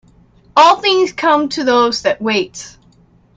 All things come to those that wait.